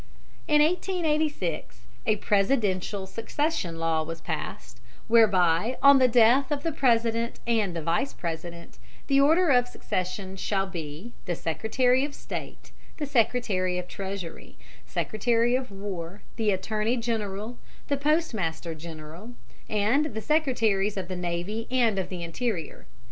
In 1886 a Presidential succession law was passed, whereby on the death of the President and the Vice President the order of succession shall be the Secretary of State, the Secretary of the Treasury, the Secretary of War, the Attorney General, the Postmaster General, and the Secretaries of the Navy and of the Interior.